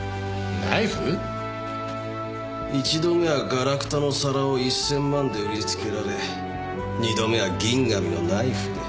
１度目はガラクタの皿を１０００万で売りつけられ２度目は銀紙のナイフで。